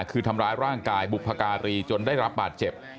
คือทำร้ายร่างกายบุพการีจนได้รับบาดเจ็บ